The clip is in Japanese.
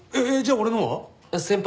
じゃあ俺のは？